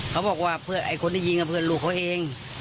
เขาบอกว่าไอนี่คนที่ยิงกับเพื่อนลูกเขาเอง